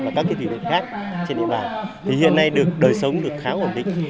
và các cái thủy định khác trên địa bàn thì hiện nay đời sống được khá ổn định